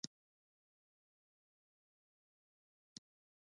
د بدخشان په یفتل کې د سرو زرو نښې شته.